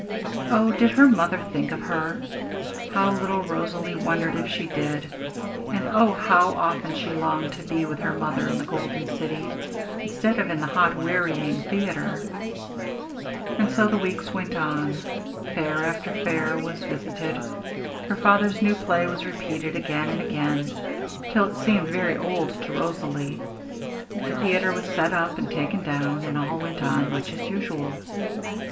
Oh, did her mother think of her? How little Rosalie wondered if she did! And oh, how often she longed to be with her mother in the Golden City, instead of in the hot, wearying theatre! And so the weeks went on; fair after fair was visited; her father's new play was repeated again and again, till it seemed very old to Rosalie; the theatre was set up and taken down, and all went on much as usual.